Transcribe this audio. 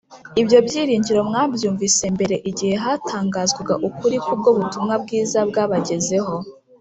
Ibyo byiringiro mwabyumvise mbere igihe hatangazwaga ukuri kubwo butumwa bwiza bwabagezeho